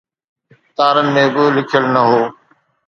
تارن ۾ به لکيل نه هو.